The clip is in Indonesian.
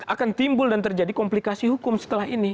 akan timbul dan terjadi komplikasi hukum setelah ini